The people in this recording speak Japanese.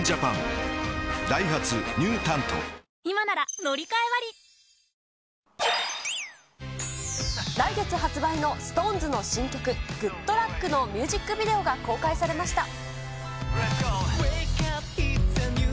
すごいよ、村西監督じゃない来月発売のＳｉｘＴＯＮＥＳの新曲、グッドラック！のミュージックビデオが公開されました。